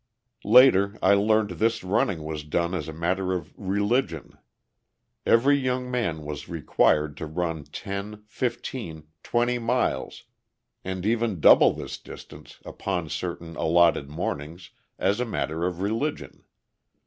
Later I learned this running was done as a matter of religion. Every young man was required to run ten, fifteen, twenty miles, and even double this distance, upon certain allotted mornings, as a matter of religion.